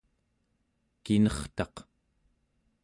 kinertaq